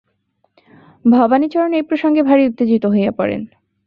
ভবানীচরণ এই প্রসঙ্গে ভারি উত্তেজিত হইয়া পড়েন।